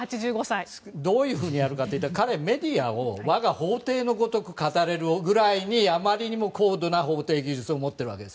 どういうことかというと我が法廷のごとく語れるぐらいにあまりにも高度な法廷技術を持っているわけです。